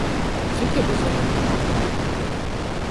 Sıt abı zeran khıxuexhuar?